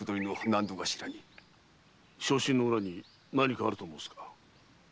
昇進の裏に何かあると申したな？